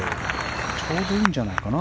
ちょうどいいんじゃないかな